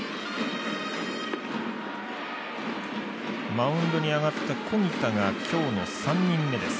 マウンドに上がった小木田が今日の３人目です。